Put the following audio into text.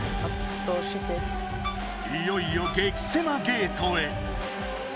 いよいよ激せまゲートへ。